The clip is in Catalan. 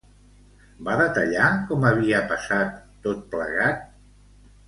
Va detallar com havia passat tot plegat?